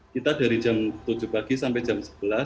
kita dari jam tujuh pagi sampai jam sebelas